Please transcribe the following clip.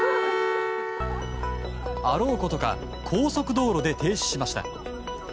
あろうことか高速道路で停止しました。